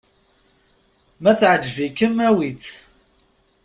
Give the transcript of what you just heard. Ma teɛǧeb-ikem, awi-tt.